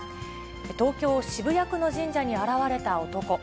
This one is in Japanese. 東京・渋谷区の神社に現れた男。